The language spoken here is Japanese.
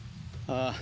ああ。